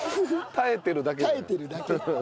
耐えてるだけ。